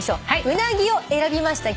「うなぎ」を選びました